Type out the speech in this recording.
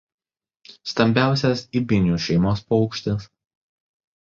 Stambiausias ibinių šeimos paukštis.